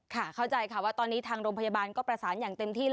เข้าใจค่ะว่าตอนนี้ทางโรงพยาบาลก็ประสานอย่างเต็มที่